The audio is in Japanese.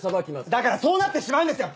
だからそうなってしまうんですよ